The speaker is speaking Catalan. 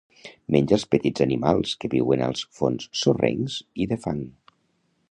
Menja els petits animals que viuen als fons sorrencs i de fang.